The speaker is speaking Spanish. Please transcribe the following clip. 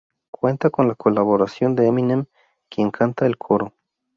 Cuenta con la colaboración de Eminem, quien canta el coro.